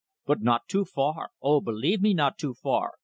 "But not too far oh, believe me, not too far!"